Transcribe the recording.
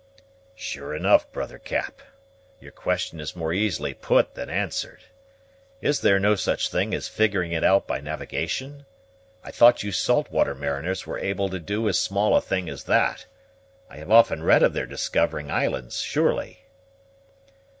"Sure enough, brother Cap, your question is more easily put than answered. Is there no such thing as figuring it out by navigation? I thought you salt water mariners were able to do as small a thing as that. I have often read of their discovering islands, surely."